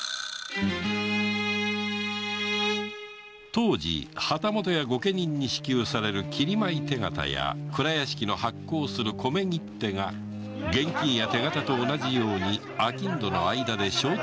当時旗本や御家人に支給される切米手形や蔵屋敷の発行する米切手が現金や手形と同じように商人間で商取引に使われていた